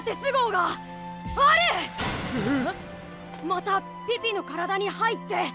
またピピの体に入って。